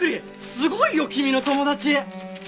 すごいよ君の友達！